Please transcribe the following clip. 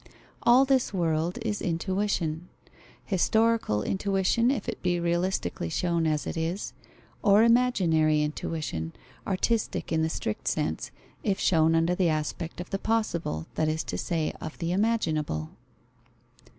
All this world is intuition; historical intuition, if it be realistically shown as it is, or imaginary intuition, artistic in the strict sense, if shown under the aspect of the possible, that is to say, of the imaginable.